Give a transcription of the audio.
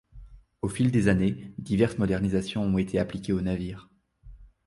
Au fil des années, diverses modernisations ont été appliquées au navire.